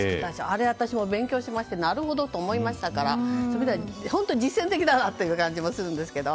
あれ、私も勉強しましてなるほど！と思いましたから本当に実践的だなという感じもするんですけど。